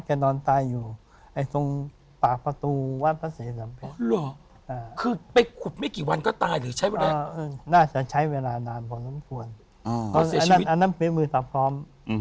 อันนั้นเป็นวืดตะพร้อม